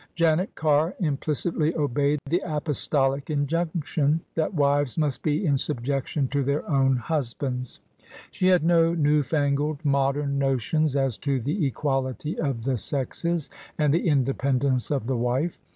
Janet Carr implicitly obeyed the apostolic injunction, that wives must be in subjection to their own husbands: she had no new fangled, modem notions as to the equality of the sexes and the independence of the wife.